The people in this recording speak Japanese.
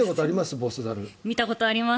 見たことあります？